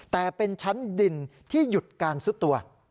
แต่เป็นชั้นดินที่หยุดการซุดตัว